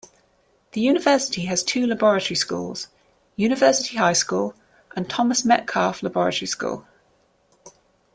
The university has two laboratory schools: University High School and Thomas Metcalf Laboratory School.